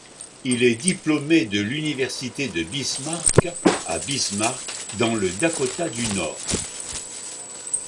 Il est diplômé de l'Université de Bismarck, à Bismarck dans le Dakota du Nord.